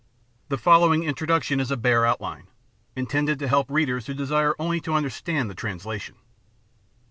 The following intro duction is a bare outline, intended to help readers who desire only to understand the translation.